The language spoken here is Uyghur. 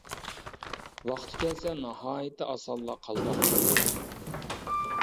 ۋاقتى كەلسە ناھايىتى ئاسانلا قالپاق كىيىدۇ.